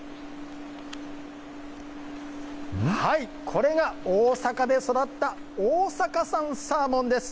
これが大阪で育った大阪産サーモンです。